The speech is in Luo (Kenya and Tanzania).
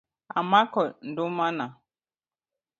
Amako ndumana .